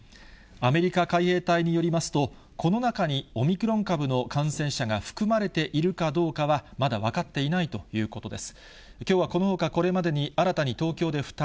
アメリカ海兵隊によりますと、この中にオミクロン株の感染者が含まれているかどうかは、まだ分かっていないということです。